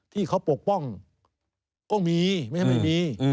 ที่เขาปกป้องก็มีไม่ใช่ไม่มี